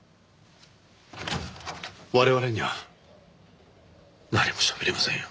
我々には何もしゃべりませんよ。